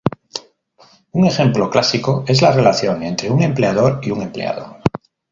Un ejemplo clásico es la relación entre un empleador y un empleado.